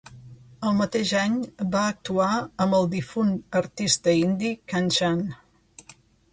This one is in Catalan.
El mateix any, va actuar amb el difunt artista indi Kanchan.